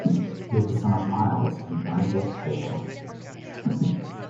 He is the son of Myles and Bernadette Kehoe.